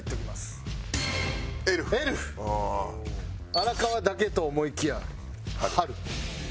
荒川だけと思いきやはる。